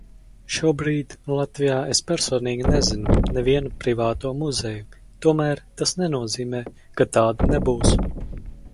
Šobrīd Latvijā es personīgi nezinu nevienu privāto muzeju, tomēr tas nenozīmē, ka tādu nebūs.